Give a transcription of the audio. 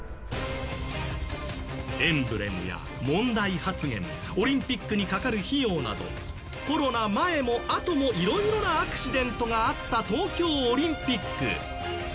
エンブレムや問題発言オリンピックにかかる費用などコロナ前も、あともいろいろなアクシデントがあった東京オリンピック。